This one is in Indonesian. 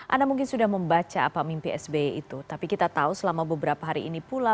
anda mungkin sudah membaca apa mimpi sby itu tapi kita tahu selama beberapa hari ini pula